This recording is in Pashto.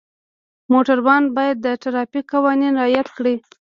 موټروان باید د ټرافیک قوانین رعایت کړي.